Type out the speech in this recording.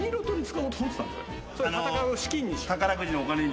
それ戦う資金に。